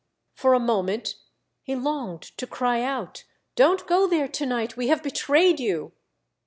For a moment he longed to cry out, " Don't go there to night ! We have betrayed you."